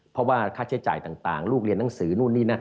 เพราะว่าค่าใช้จ่ายต่างลูกเรียนหนังสือนู่นนี่นั่น